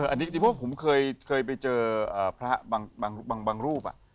อันนี้จริงเพราะว่าผมเคยไปเจอพระบางรูป